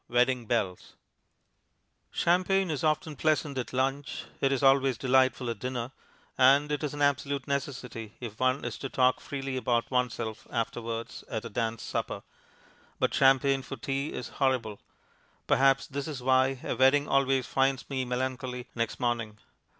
Wedding Bells Champagne is often pleasant at lunch, it is always delightful at dinner, and it is an absolute necessity, if one is to talk freely about oneself afterwards, at a dance supper. But champagne for tea is horrible. Perhaps this is why a wedding always finds me melancholy next morning.